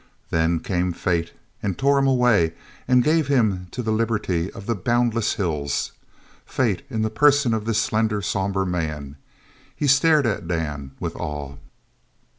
Then came Fate and tore him away and gave him to the liberty of the boundless hills. Fate in the person of this slender, sombre man. He stared at Dan with awe.